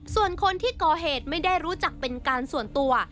ส่วนคนที่ก่อเหตุไม่ได้รู้จักเป็นการส่วนตัว